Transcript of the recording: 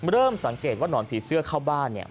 เริ่มสังเกตว่านอนผีเสื้อเข้าบ้านเนี่ย